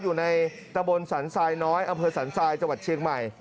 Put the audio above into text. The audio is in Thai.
อยู่ในตะบลสันทรายน้อยอสันทรายจเชียงใหม่